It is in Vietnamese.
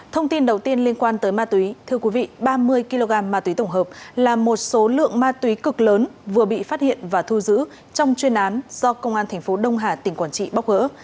thông tin đầu tiên liên quan tới ma túy thưa quý vị ba mươi kg ma túy tổng hợp là một số lượng ma túy cực lớn vừa bị phát hiện và thu giữ trong chuyên án do công an thành phố đông hà tỉnh quảng trị bóc gỡ